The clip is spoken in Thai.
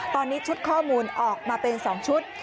ตอนนี้ชุดข้อมูลออกมาเป็น๒ชุด